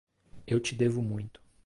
Eu te devo muito.